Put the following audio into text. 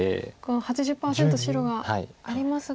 ８０％白がありますが。